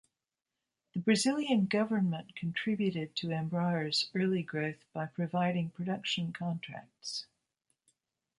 The Brazilian Government contributed to Embraer's early growth by providing production contracts.